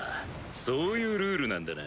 そういうルールなんだな。